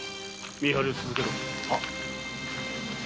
見張りを続けろ。